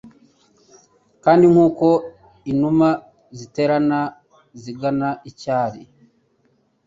Kandi nkuko inuma ziterana zigana icyari